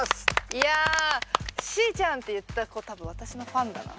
いやあ「しーちゃん」って言った子多分私のファンだな。